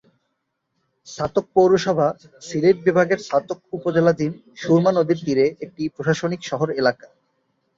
ছাতক পৌরসভা সিলেট বিভাগের ছাতক উপজেলাধীন সুরমা নদীর তীরে একটি প্রশাসনিক শহর এলাকা।